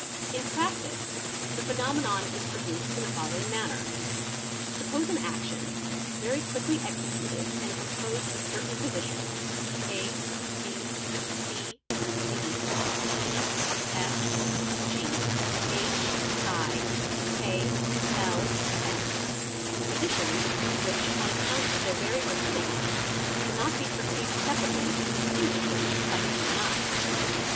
In prac EY 'tice the phenomenon is produced in the following manner :—Suppose an action, very quickly executed and composed of certain positions a, b,c, d, e, f, g, h, 2, k, l, m, positions which, on account of their very rapidity, cannot be perceived separately and distinctively by the human eye.